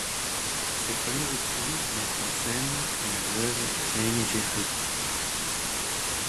Ses premiers écrits mettent en scène la veuve Jane Jeffry.